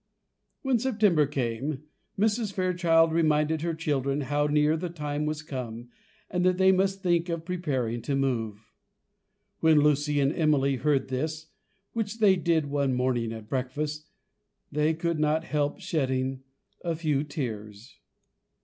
When September came, Mrs. Fairchild reminded her children how near the time was come, and that they must think of preparing to move. When Lucy and Emily heard this, which they did one morning at breakfast, they could not help shedding a few tears.